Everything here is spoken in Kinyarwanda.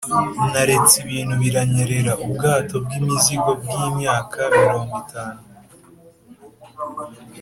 naretse ibintu biranyerera, ubwato bwimizigo bwimyaka mirongo itatu